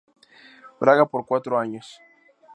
Braga por cuatro años.